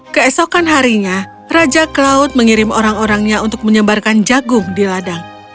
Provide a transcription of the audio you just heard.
keesokan harinya raja cloud mengirim orang orangnya untuk menyebarkan jagung di ladang